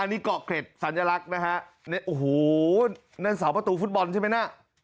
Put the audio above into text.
นี่เกาะเกร็ดสัญลักษณ์นะฮะโอ้โหนั่นเสาประตูฟุตบอลใช่ไหมน่ะ